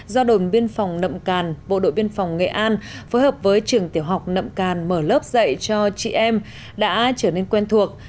do đồn biên phòng nậm càn bộ đội biên phòng nghệ an phối hợp với trường tiểu học nậm càn mở lớp dạy cho chị em đã trở nên quen thuộc